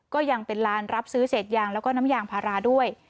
ก็ยังเป็นร้านรับซื้อเศษยางแล้วก็น้ำยางพาราด้วย